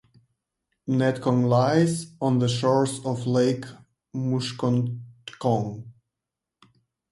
Netcong lies on the shores of Lake Musconetcong.